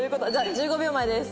１５秒前です。